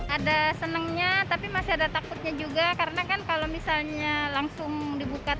ada senangnya tapi masih ada takutnya juga karena kan kalau misalnya langsung dibuka